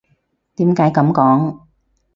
點解噉講？